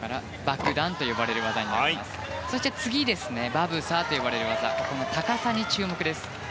バブサーと呼ばれる技の高さに注目です。